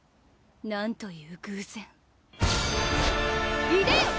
なんという偶然いでよ！